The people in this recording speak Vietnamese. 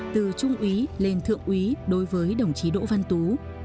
từ trung úy lên thượng úy đối với đồng chí đỗ văn tú